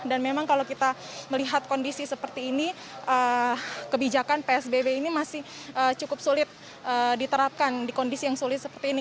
dan memang kalau kita melihat kondisi seperti ini kebijakan psbb ini masih cukup sulit diterapkan di kondisi yang sulit seperti ini